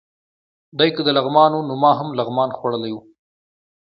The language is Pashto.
دی که د لغمان و، نو ما هم لغمان خوړلی و.